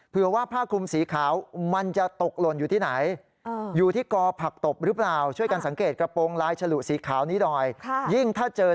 เพื่อว่าพาขุมสีขาวมันจะตกลนอยู่ที่ไหน